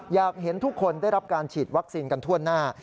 อยากเห็นทุกคนได้รับการฉีดวัคซีนกันทั่วหน้า